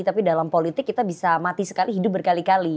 tapi dalam politik kita bisa mati sekali hidup berkali kali